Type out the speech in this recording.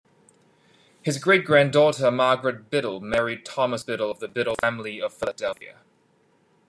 His great-granddaughter Margaret Biddle married Thomas Biddle of the Biddle family of Philadelphia.